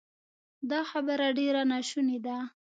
دا خبره ډېره ناشونې ده